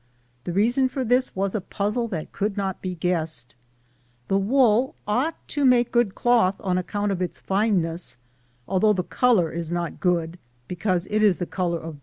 The reason for this was a puzzle that could not be guessed, The wool ought to make good cloth on account of its fineness, al though the color ia not good, because it is the color of buriel.